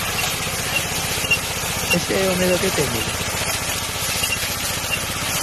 ¿Ese é o medo que teñen?